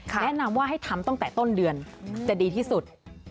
แนะนำว่าให้ทำตั้งแต่ต้นเดือนจะดีที่สุด